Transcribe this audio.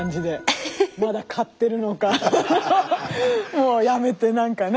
もうやめて何かね。